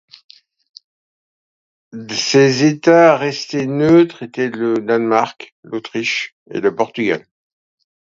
Ces États restés neutres étaient le Danemark, l'Autriche et le Portugal.